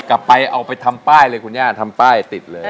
เอาไปเอาไปทำป้ายเลยคุณย่าทำป้ายติดเลย